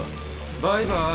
バイバイ。